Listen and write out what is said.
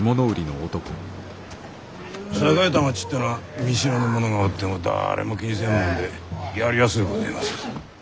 栄えた街ってのぁ見知らぬ者がおっても誰も気にせんもんでやりやすうごぜえます。